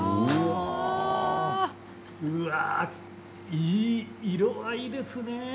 いい色合いですね。